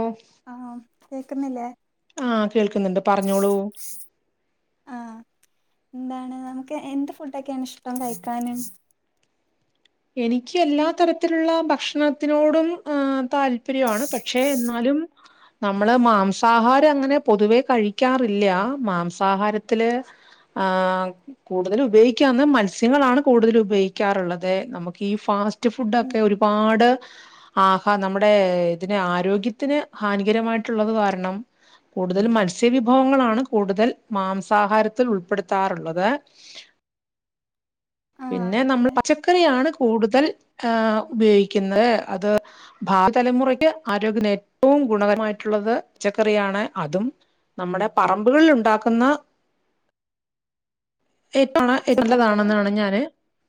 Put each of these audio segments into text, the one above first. ഓ ആഹ് കേക്കുന്നില്ലേ ആ കേൾക്കുന്നുണ്ട് പറഞ്ഞോളൂ ആ എന്താണ് നമുക്ക് എന്ത് ഫുഡൊക്കെയാണ് ഇഷ്ടം കഴിക്കാന് എനിക്ക് എല്ലാ തരത്തിൽള്ള ഭഷ്ണത്തിനോടും ആ താല്പര്യണ് പക്ഷെ എന്നാലും നമ്മള് മാംസാഹാരങ്ങനെ പൊതുവേ കഴിക്കാറില്ല മാംസാഹാരത്തില് ആ കൂടുതൽ ഉപയോക്കാവുന്ന മത്സ്യങ്ങളാണ് കൂടുതൽ ഉപയോക്കാറുള്ളത് നമുക്കീ ഫാസ്റ്റ് ഉം ഫുഡൊക്കെ ഒരുപാട് ആഹാ നമ്മുടെ ഇതിനു ആരോഗ്യത്തിനു ഹാനികരം മായിട്ടുള്ളത് കാരണം കൂടുതൽ മത്സ്യവിഭവങ്ങളാൺ കൂടുതൽ മാംസഹാരത്തിൽ ഉൾപെടുത്താർ ള്ളത് മ്മ് പിന്നെ നമ്മൾ പക്ഷെ ഇലക്കറിയാണ് കൂടുതൽ ഹേ... ഉപയോഗിക്കുന്നത് വരും തല മുറക്ക് ഏറ്റവും ഗുണകരമായിട്ട്ള്ളത് പച്ചക്കറിയാണ് അതും നമ്മടെ പറബ് കള് ണ്ടാക്ക്‌ന്ന മ്മ് ഈ തവണ ഏട്ടന്റോടെ താണെന്നണ് ഞാന്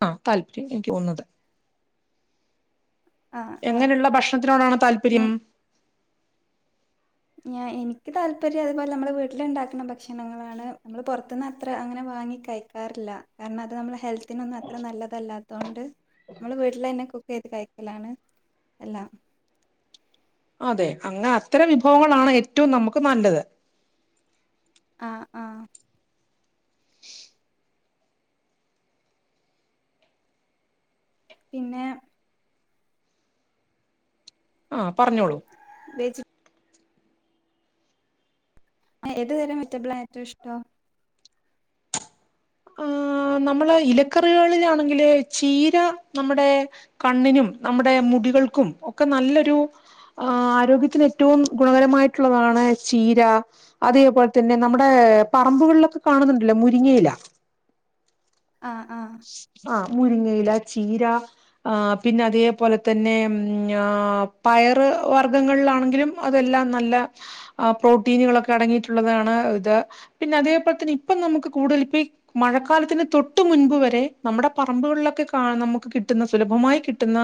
ആ താല്പ എനിക്ക് ഓന്നത് ആഹ് ആഹ് എങ്ങനെയുള്ള ഭക്ഷണത്തിനോടാണ് താല്പര്യം ഞ ഞാ എനിക്ക് താല്പര്യം അതുപോലെ നമ്മെ വീട്ട്ല്ണ്ടാക്ണ ഭക്ഷണങ്ങളാണ് നമ്മള് പൊറത്ത്‌ന്ന് അത്ര അങ്ങനെ വാ വാങ്ങി കയ്ക്കാറില്ല കാരണം അത് നമ്മൾ ഹെൽ ത്തിനൊന്നും അത്ര നല്ലതല്ലാത്തൊണ്ട് നമ്മള് വീട്ടിലെന്നെ കുക്ക് - ഏത് കഴക്കലാണ് എല്ലാം അതെ അങ്ങനെ അത്തരം വിഭവങ്ങളാണ് ഏറ്റവും നമുക്ക് നല്ലത് ആ ആ മ്മ് പിന്നെ ആഹ പറഞ്ഞോളൂ വെച്ചിറ്റബിൾ ഏത് തരം വെജിറ്റബിളാ ഏറ്റവും ഇഷ്ടം നമ്മള ഇലക്കറികളിലാണെങ്കില് ചീര നമ്മടെ കണ്ണിനും നമ്മുടെ മു മുടികൾക്കും ഒക്കെ നല്ലൊരു ആരോഗ്യത്തിന് ഏറ്റവും ഗുണകരമായിട്ടുള്ളതാണ് ചി രാ അതേപോലെ തന്നെ നമ്മുടെ പറമ്പുകളിലൊക്കെ കാണുന്നുണ്ടല്ലോ മുരിങ്ങയില ആഹ് ആഹ് ആ മുരിങ്ങയില ചീര പിന്ന അതേപോലെ തന്നെ ഉം പയറ് വർഗ്ഗങ്ങളിലാണെങ്കിലും അതെല്ലാം നല്ല പ്രോട്ടീനുകളൊക്കെ അടങ്ങിയിട്ടുള്ളതാണ് ഇത് പിന്നെ അതേപോലെ തന്നെ ഇപ്പൊ നമുക്ക് കൂടുതൽ ഇപ്പ മഴക്കാലത്തിന് തൊട്ട് മുൻപ് വരേ നമ്മട പറിമ്പ്കളിലൊക്കെ കാണു നമുക്ക് കിട്ടുന്ന സുലമ്പമായി കിട്ടുന്ന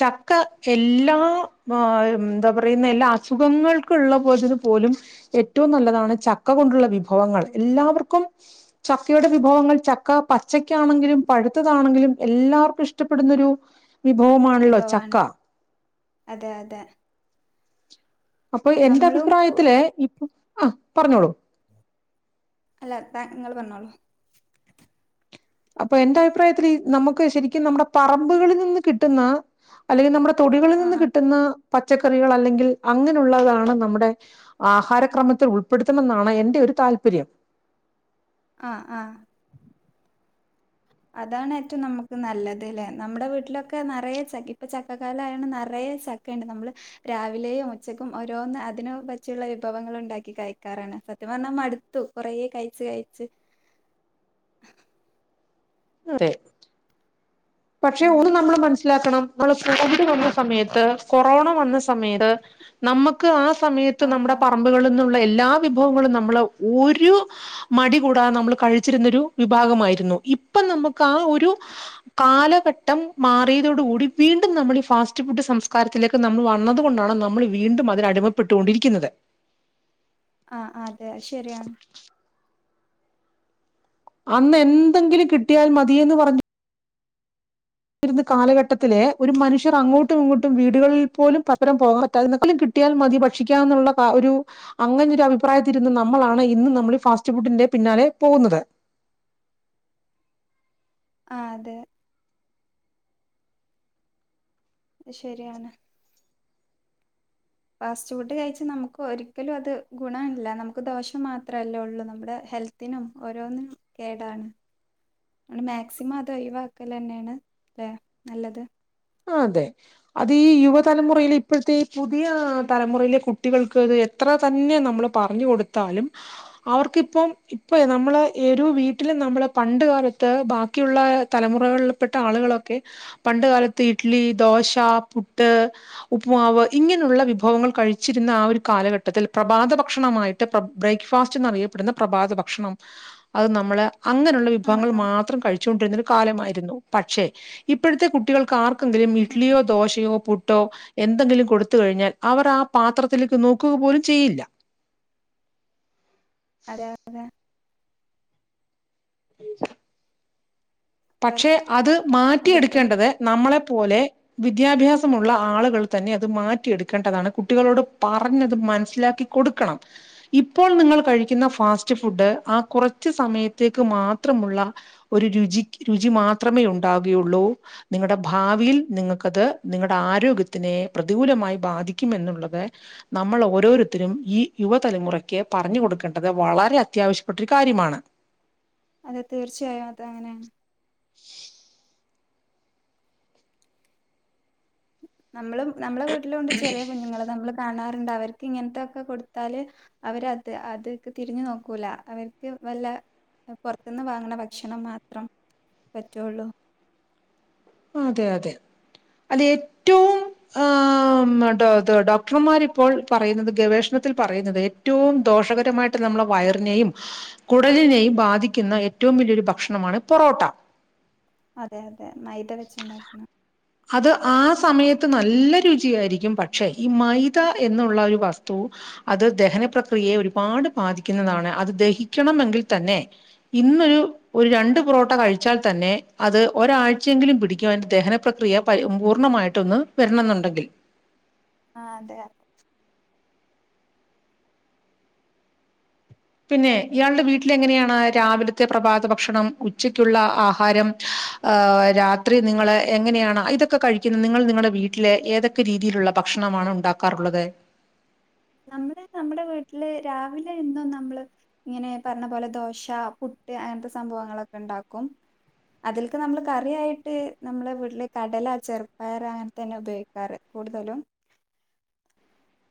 ചക്ക എല്ല് എല്ലാ എന്താ പറയുന്ന എല്ലാ അസുഖങ്ങൾക്ക ഉള്ള പോലും ഏറ്റവും നല്ല താണ് ചക്ക കൊണ്ടുള്ള വിഭവങ്ങൾ എല്ലാവർക്കും ചക്കയുടെ വിഭവങ്ങൾ ചക്ക പ പച്ചക്കാണെങ്കിലും പഴുത്തതാണെങ്കിലും എല്ലാവർക്കും ഇഷ്ടപ്പെടുന്നൊരു വിഭവമാണല്ലോ വിഭവാണ് ചക്ക അതെ അതെ അപ്പൊ എന്റെ നമ്മളും കു- അഭിപ്രായത്തില് ഇപ്പം ആ പറഞ്ഞോളൂ അല്ല താ നിങ്ങള്ൾ പറഞ്ഞോളോ അപ്പൊ എന്റെ അഭിപ്രായത്തിൽ നമുക്ക് ശരിക്കും നമ്മുടെ പറമ്പുകളിൽ നിന്ന് കിട്ടുന്ന അല്ലെങ്കിൽ നമ്മുടെ തൊടികളിൽ ആഹ് നിന്ന് ആഹ് കിട്ടുന്ന പച്ചക്കറികൾ അല്ലെങ്കിൽ അങ്ങനെയുള്ളതാണ് നമ്മുടെ ആഹാരക്രമത്തിൽ ഉൾപ്പെടുത്തണെന്നാണ് എന്റെ ഒരു താല്പര്യം ആ ആ അതാണ് ഏറ്റവും നമുക്ക് നല്ലത് ലെ നമ്മുടെ വീട്ടിലൊക്കെ നിറയ ച ഇപ്പ ചക്കകാലയാണ് നറയ ചക്ക ഉണ്ട് നമ്മൾ രാവിലെയും ഉച്ചക്കും ഓരോന്ന് അതിനു പറ്റിയുള്ള വിഭവങ്ങൾ ഉണ്ടാക്കി കഴക്കാറുണ്ട് സത്യം പറഞ്ഞാ മടുത്തു കൊറേ കഴച്ച് കഴച്ച് അതെ പക്ഷെ ഉം ഒന്ന് നമ്മൾ മന നസിലണം നമ്മ കോവിഡ് വന്ന സമയത്ത് കൊറോണ വന്ന സമയത്ത് നമുക്ക് ആ സമയത്ത് ആഹ് നമ്മുടെ ആഹ് പറമ്പുകളിൽ നി എല്ലാ വിഭവങ്ങളും നമ്മള് ഒരു മടി കൂടാതെ നമ്മൾ കഴിച്ചിരുന്ന ഒരു വിഭാഗമായിരുന്നു ഇപ്പൊ നമുക്ക് ആ ഒരു കാലഘട്ടം മാറിയതോടുകൂടി വീണ്ടും നമ്മൾ ഈ ഫാസ്റ്റ് ഫുഡ് സംസ്കാരത്തിലേക്ക് നമ്മൾ വന്നത് കൊണ്ടാണ് നമ്മൾ വീണ്ടും അതിനടിമപ്പെട്ടുകൊണ്ടിരിക്കുന്നത് ആ അതെ ശരിയാണ് അന്ന് എന്തെങ്കിലും കിട്ടിയാൽ മതിയന്ന് പറഞ്ഞ രുന്ന കാലഘട്ടത്തിലെ ഒരു മനുഷ്യർ അങ്ങോട്ടും ഇങ്ങോട്ടും വീടുകളിൽ പോലും പസ്പരം പോകാ പറ്റാതിക്കലും കി കട്ടിയാൽ മതി ഭക്ഷിക്കാന്നു ള്ള ഒരു അങ്ങനൊ ഒരു അഭിപ്രായത്തിരുന്ന നമ്മളാണ് ഇന്ന് നമ്മൾ ഫാസ്റ്റ് ഫുഡിന്റെ ഫുഡിന്റെ പിന്നാലെ പോകുന്നത് ആ അതെ ശരിയാണ് ഫാസ്റ്റ് ഫുഡ് കഴിച്ച നമുക്ക് ഒരിക്കലും അത് ഗുണം ഇല്ല നമുക്ക് ദോഷം മാത്രമല്ലേ ഉള്ളൂ നമ്മുടെ ഹെൽത്തിനും ഓരോന്നിനും കേടാണ് നമ്മ മാക്സിമം അത് ഴ വക്കല് തന്നെയാണ് അല്ലെ നല്ലത് ആ അതെ അത് ഈ യുവതലമുറയില് ഇപ്പോഴത്തെഈ പുതിയ തലമുറയിലെ കുട്ടികൾക്ക് അത് എത്ര തന്നെ നമ്മൾ പറഞ്ഞ കൊടുത്താലും അവർക്കിപ്പ ഇപ്പ നമ്മള് ഒര് വീട്ടിൽ നമ്മള് പണ്ട് കാലത്ത് ബാക്കിയുള്ള തലമുറകളിൽപ്പെട്ട ആളുകളൊക്കെ പണ്ട കാലത്ത് ഇഡ്ലി ദോശ പുട്ട് ഉപ്പ്മാവ് ഇങ്ങനെയുള്ള വിഭവങ്ങൾ കഴിച്ചിരുന്ന ആ കാലഘട്ടത്തിൽ പ്രഭാത ഭക്ഷണമായിട്ട് ബ്രേക്ക്ഫാസ്റ്റ് എന്നറിയപ്പെടുന്ന പ്രഭാത ഭക്ഷണം അത് നമ്മള് അങ്ങനെയുള്ള ആഹ് വിഭവങ്ങൾ ആഹ് മാത്രം കഴിച്ചുകൊണ്ടിരുന്നൊരു കാലമായിരുന്നു പക്ഷേ ഇപ്പോഴത്തെ കുട്ടികൾ ർക്കെങ്കിലും ഇഡ്ലിയോ ദോശയോ പുട്ടോ എന്തെങ്കിലും കൊടുത്ത കഴിഞ്ഞാൽ അവർ ആ പാത്രത്തില നോ ക്കുക പോലും ചെയ്യില്ല.. അത. [unintelligible] [inaudible] അവർ പക്ഷെ അത് അതിലൊന്നും മാറ്റിയെടുക്കേണ്ടത് നമ്മളെപ്പോലെ. വിദ്യാഭ്യാസമുള്ള ആളുകൾ തന്നെ അത് മാറ്റിയെടുക്കേണ്ടതാണ് കുട്ടികളോട് പറഞ്ഞത് മനസ്സിലാക്കി കൊടുക്കണം ഇപ്പോൾ നിങ്ങൾ കഴിക്കുന്ന ഫാസ്റ്റ് ഫുഡ് ആ കുറച്ച് സമയത്തേക്ക് മാത്രം മുള്ള ഒരു രുചി രുചി മാത്രമേ ഉണ്ടാവുകയുള്ളൂ നിങ്ങടെ ഭാവിയിൽ നിങ്ങൾക്കത് നിങ്ങടെ ആരോഗ്യത്തിനെ... പ്രതികൂലമായി ബാധിക്കും എന്നുള്ളത് നമ്മൾ ഓരോരുത്തരും ഈ യുവതലമുറയ്ക്ക് പറഞ്ഞ് കൊടുക്കേണ്ടത് വളരെ അത്യാവശ്യപ്പെട്ട ഒരു കാര്യമാണ് അതെ തീർച്ചയായും അത അങ്ങനെണ് നമ്മളും നമ്മളെ വീട്ടിലൂണ്ട് ചെറിയ കുഞ്ഞുങ്ങൾ നമ്മള് കാണാറ്ണ്ട് അവർക്ക് ഇങ്ങനത്തൊക്കെ കൊടുത്താല് അവരത് അത്ക്ക് തിരിഞ്ഞുനോക്കൂല അവർക്ക് വല്ല പൊർത്ത്ന്ന് വാങ്ങണ ഭക്ഷണംമാത്രം പറ്റുള്ളൂ അതെ അതെ അത് എറ്റവും ആ ഡോക്ടർമാര് ഇപ്പോൾ പറയുന്നത് ഗവേഷണത്തിൽ പറയുന്നത് ഏറ്റവും ദോ ഷകരമായിട്ട് നമ്മളെ വയറിനെയും കുടലിനെയും ബാധിക്കുന്ന എറ്റവും വല്യയൊരു ഭക്ഷണമാണ് പൊറോട്ട. അതെ അതെ മൈദ വെച്ച്ണ്ടാക്കണ അത് ആ സമയത്ത് നല്ല രുചിയായിരിക്കും പക്ഷെ ഈ മൈദ എന്നുള്ള ഒരു വസ്തു അത് ദഹന പ്രക്രിയെ ഒരുപാട് ബാധിക്കുന്നതാണ് അത് ദഹിക്കണമെങ്കിൽ തന്നെ ഇന്നൊരു ഒരു രണ്ട് പൊറോട്ട കഴിച്ചാൽ തന്നെ അത് ഒരാഴ് ചെങ്കിലും പിടിക്കും അയ്ന്റെ ദഹനപ്രക്രിയ പൂർണ്ണമായിട്ടൊന്ന് വരണന്നുണ്ടെങ്കിൽ. ആ അതെ പിന്നെ ഇയാളുടെ വീട്ടില എങ്ങനെയാണ് രാവിലത്തെ പ്രഭാതഭക്ഷണം ഉച്ചക്കുള്ള ആഹാരം രാത്രി നിങ്ങള് എങ്ങനെയാണ് ഇതൊക്കെ കഴിക്കുന്നത് നിങ്ങൾ നിങ്ങളുടെ വീട്ടിലെ ഏതൊക്കെ രീതിയിലുള്ള ഭ ഭക്ഷണമാണ് ഉണ്ടാക്കാറുള്ളത് നമ്മള് നമ്മുടെ വീട്ടില് രാവിലെ ഇന്നും നമ്മള് ഇങ്ങനെ പറഞ്ഞപോലെ ദോശ പു പുട്ട് അങ്ങൻത്തെ സംഭവങ്ങളൊക്കെണ്ടാക്കും അതിൽക്ക് നമ്മള് കറിയായിട്ട് നമ്മളെ വീട്ടില് കടല ചെറുപ്പയർ അങ്ങനെ തന്നെ ഉപയോഗിക്കാറ്. കൂടുതലും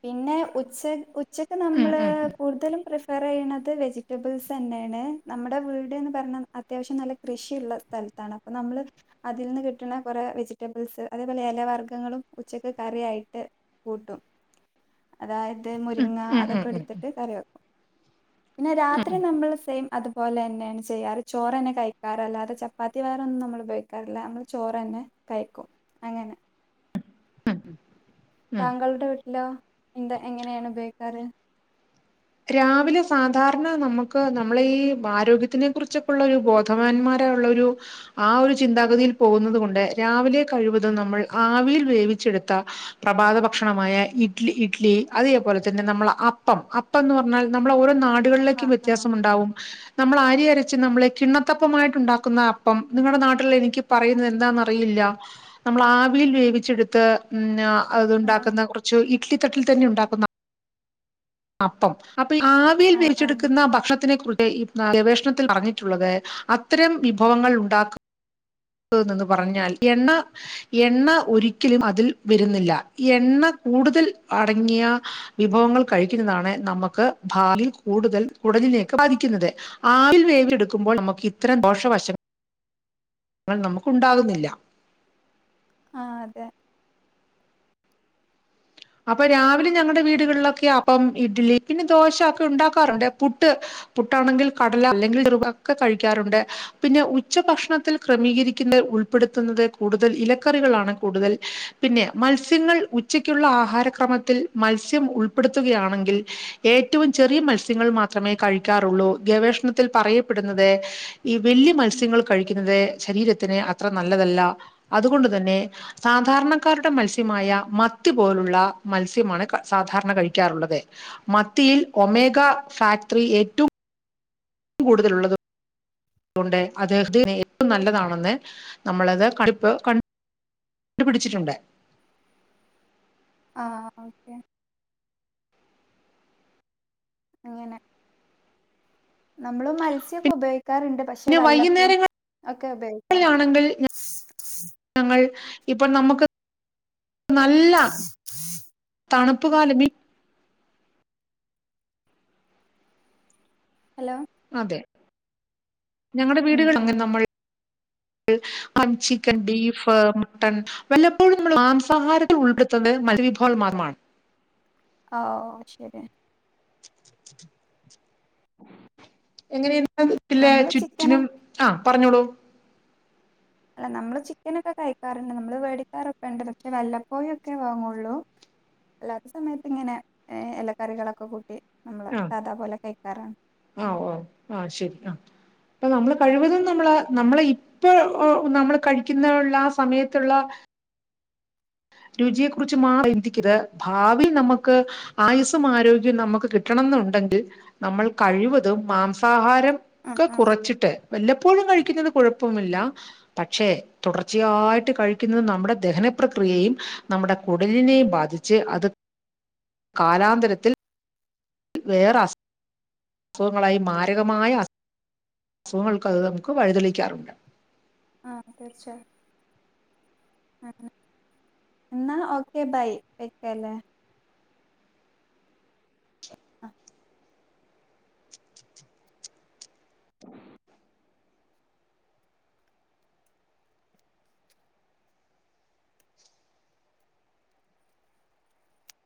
പിന്നെ ഉച്ച ഉച്ചക്ക് ഉം നമ്മള് ഉം കൂടുതലും പ്രിഫ പറയ്ണത് വെജിറ്റബിൾസ്ന്നെണ് നമ്മുടെ വീട്ന്ന് പറഞ്ഞ അത്യാവശ്യം നല്ല കൃഷിള്ള സ്ഥല ലത്താണ് നമ്മള് അതിൽ നിന്ന് കിട്ടുന്ന കൊറേ വെജിറ്റബിൾസ് അതേപോലെ എലവർഗ്ഗങ്ങളും ഉച്ചക്ക് കറി യിട്ട് കൂട്ടും അതായത് ഉം മുരിങ്ങ ഉം ഉം അതൊക്കെ ഉം ഉം ഇടുത്തിട്ട് കറി വെക്കും. പിന്നെ രാത്രി നമ്മള് സെയിം അതുപോലെ തന്നെയാണ് ചെയ്യാറ് ചോറ് തന്നെ കഴിക്കാറ് അല്ലാതെ ചപ്പാത്തി വെറൊന്നും നമ്മൾ ഉപയോഗിക്കാറില്ല മ്മള് ചോറ്ന്നെ കയിക്കും അങ്ങനെ ഉം താങ്കളുടെ വീട്ടിലോ എന്താ എങ്ങനെണ് ഉപയോഗിക്കാറ്. രാവിലെ സാധാരണ നമുക്ക് നമ്മള ഈ ആരോഗ്യത്തിനെ കുറിച്ചൊക്കെുള്ളരു ബോധവാന്മാര ള്ളഒരു ആ ഒരു ചിന്താഗതിയിൽ പോകുന്നത് കൊണ്ട് രാവിലെ കഴിവതും നമ്മൾ ആവിയിൽ വേവിച്ച് ച്ചെടുത്ത പ്രഭാത ഭക്ഷണമായ ഇഡ്ലി ഇഡ്ലി അതേപോലെ തന്നെ നമ്മള അപ്പം അ പ്പന്ന് പറഞ്ഞാൽ നമ്മളെ ഓരോ നാടുകളിലേക്കും ആഹ് ആഹ് വ്യത്യാസം ഉണ്ടാവും നമ്മൾ അരി അര ച്ച് നമ്മളെ കിണ്ണത്തപ്പമായിട്ടുണ്ടാക്കുന്ന അപ്പം നിങ്ങടെ നാട്ടിൽ എനിക്ക് പറയുന്നത് എന്താന്നറിയില്ല നമ്മൾ ആവിയിൽ വേവിച്ചെടുത്ത് അതു ആഹ് ഉണ്ടാക്കുന്ന കുറച്ച് ഇഡ്ലി തട്ടിൽ തന്നെ ഉണ്ടാ അപ്പം അപ്പൊ ഈ ആവിയിൽ ആഹ് ആഹ് വെവിച്ചെടുക്കുന്ന ഭക്ഷണത്തിനെ കുറിച്ച് ഈ ഗവേഷ ഷണത്തിൽ പറഞ്ഞിട്ടുള്ളത് അത്തരം വിഭവങ്ങൾ ഉണ്ടാക്കു ന്ന് പറഞ്ഞാൽ എണ്ണ എണ്ണ ഒരിക്കലും അതിൽ വരുന്നില്ല എണ്ണ കൂടുതൽ അടങ്ങിയ വിഭവങ്ങൾ കഴിക്കുന്നതാണ് നമുക്ക് ഭാവിൽ കൂടുതൽ കു ള്ളിലേക് ബാധിക്കുന്നത് ആവിൽ വേവിച്ചെടുക്കുമ്പോൾ നമുക്ക് ഇത്രം ദോഷവശ ങ്ങൾ നമുക്കുണ്ടാകുന്നില്ല ആ അതെ അപ്പൊ രാവിലെ ഞങ്ങടെ വീടുകളിലൊക്കെ അപ്പം, ഇഡ്ലി, പിന്നെ ദോശ ഒക്കെഉണ്ടാക്കാറുണ്ട് പുട്ട് പുട്ടാണെങ്കിൽ കടല അല്ലെങ്കിൽ ചെറുപ ഒക്കെ കഴിക്കാറുണ്ട് പിന്നെ ഉച്ച ഭക്ഷണത്തിൽ ക്രമീകരിക്കുന്ന ഉൾപ്പെടുത്തുന്നത് കൂടുതൽ ഇലക്കറികളാണ് കൂടുതൽപിന്നെ മത്സ്യങ്ങൾ ഉച്ചയ്ക്കുള്ള ആഹാ ഹാരക്രമത്തിൽ മത്സ്യം ഉൾപ്പെടുത്തുകയാണെങ്കിൽ ഏറ്റവും ചെറിയ മത്സ്യങ്ങൾ മാത്രമേ കഴിക്ക റൊള്ളു ഗവേഷണത്തിൽ പറയപ്പെടുന്നത് ഈ ഉം വല്യ ഉം മത്സ്യങ്ങൾ കഴിക്കുന്നത് ശരീര ത്തിന് അത്ര നല്ലതല്ല അതുകൊണ്ട്, തന്നെ സാധാരണക്കാരുടെ മത്സ്യമായ മത്തിപോലുള്ള [unintelligible] മത്സ്യമാണ്, സാധാരണ കഴിക്കാറുള്ളത്, മത്തിയിൽ ഒമേഗ, ഫാക്ടറി, ഏ [unintelligible] [unintelligible] കൂടുതലുള്ളതു [unintelligible] അദ്ദേഹത്തിന് ഏറ്റവുംനല്ലതാണെന്ന്. നമ്മളത് [unintelligible] കണ്ടുപിടിച്ചിട്ടുണ്ട്. ആഹ, ഓക്കെ അങ്ങനെ, നമ്മള് മത്സ്യൊക്കെ ഉപയോഗിക്ക കേക്കാറുണ്ട്, പക്ഷെ പിന്നെ വല്ലപ്പോ വൈകുന്നേരങ്ങളിലാണെങ്കിൽ ഒക്കെ ഉപയോഗിക്കാറ്. ഇപ്പൊൾ, നമുക്ക് [inaudible] തണുപ് കാലമീ ഹലോ. അതെ, ഞങ്ങളടെ, ഉം വീടുകളങ്ങെ, ഉം നമ്മൾ [inaudible] [unintelligible] ചിക്കൻ, ബീഫ്, മട്ടൺ, വല്ലപ്പോഴും നമ്മൾ, [unintelligible] [unintelligible] [unintelligible] ഓ, ശരി. എങ്ങനെയ ട്ടല്ലെ, നമ്മള് ചിക്കന ചുറ്റിനും, ആ, പറഞ്ഞോളൂ അല്ല, നമ്മള് ചിക്കനൊക്കെ കഴിക്കാറുണ്ട്. നമ്മള് വേടിക്കാറൊക്കെ ഉണ്ട്. പക്ഷെ വല്ലപ്പോയക്കെ വാങ്ങുള്ളൂ. അല്ലാത്ത സമയത്ത് ഇങ്ങനെ, ഇലക്കറികളൊക്കെ കൂട്ടി, നമ്മള് ആ സാധാ പോലെ കഴിക്കാറാണ്. ആ, ഉം. ഓ, ആഹ, ശെരി, ആഹ അപ്പൊ, നമ്മൾ, കഴിവതും, നമ്മള, നമ്മള ഇപ്പ, നമ്മള്, കഴിക്കുന്നള്ള, ആ സമയത്തുള്ള രുചിയെ കുറിച്ച് മാ, ചിന്തിക്കത്, ഭാവി നമുക്ക് ആയുസും, ആരോഗ്യം, നമുക്ക് കിട്ടണം. ന്നുണ്ടെങ്കിൽ, നമ്മൾ കഴിവതും മാംസാഹാരം ആ ഒക്ക ആ കുറച്ചിട്ട്. വല്ലപ്പോഴും കഴിക്കുന്നത് കുഴപ്പമില്ല, പക്ഷെ, തുടർച്ചയായിട്ട് കഴിക്കുന്നത് നമ്മുടെ ദഹനപ്രക്രിയയും. നമ്മുടെ കുടലിനെ ബാധിച്ച്. അത്, കാലാന്തരത്തിൽ. [unintelligible] വേറെ, [unintelligible] അസുഖങ്ങളായി, മാരകമായ. അസുഖങ്ങൾക്ക്, നമുക്ക് വഴിതെളിക്കാറുണ്ട്. ആഹ, തീർച്ചയായും. [unintelligible] എന്നാ ഓക്കെ ബൈ, വെക്കല്ലേ? [inaudible]